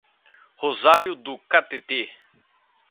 Rosário do Catete